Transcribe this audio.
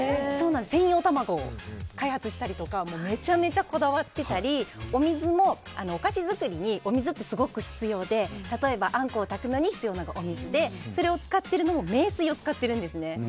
専用卵を開発したりとかめちゃめちゃこだわってたりお水も、お菓子作りにお水ってすごく必要で例えばあんこを炊くのに必要なお水でそれを使っているのも名水を使っているんです。